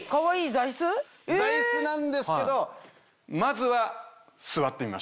座椅子なんですけどまずは。